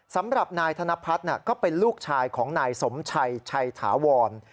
สำหรับนายธนพัฒน์ก็เป็นลูกชายของนายสมชัยชัยถาวร